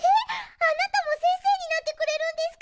あなたもせんせいになってくれるんですか？